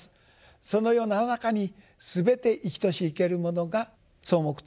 そのような中にすべて生きとし生けるものが草木等があると。